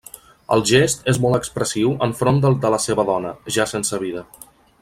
El gest és molt expressiu enfront del de la seva dona, ja sense vida.